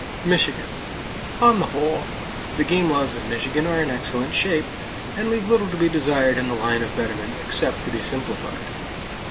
Michigan: On the whole, the game laws of Michigan are in excellent shape, and leave little to be desired in the line of betterment except to be simplified.